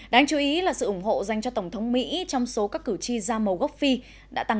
đáng chú ý là sự ủng hộ dành cho tổng thống mỹ trong số các cử tri da màu gốc phi đã tăng